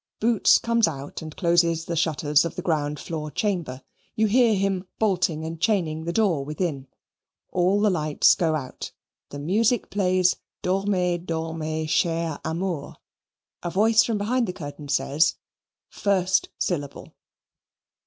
Boots comes out and closes the shutters of the ground floor chamber. You hear him bolting and chaining the door within. All the lights go out. The music plays Dormez, dormez, chers Amours. A voice from behind the curtain says, "First syllable."